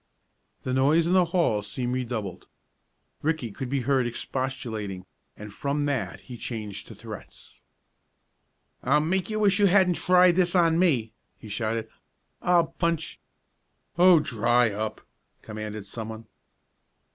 The noise in the hall seemed redoubled. Ricky could be heard expostulating, and from that he changed to threats. "I'll make you wish you hadn't tried this on me!" he shouted. "I'll punch " "Oh, dry up!" commanded someone.